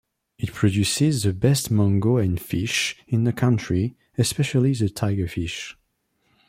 It produces the best mango and fish in the country, especially the tiger fish.